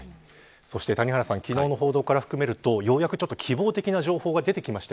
谷原さん、昨日の報道から含めると、ようやく希望的な状況が出てきました。